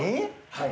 はい。